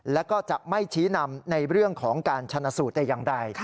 แล้วก็จะไม่ชี้นำในเรื่องของการชนะสูตรแต่อย่างใด